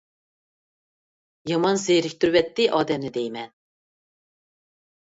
يامان زېرىكتۈرۈۋەتتى ئادەمنى دەيمەن.